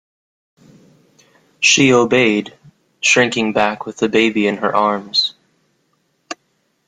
She obeyed, shrinking back with the baby in her arms.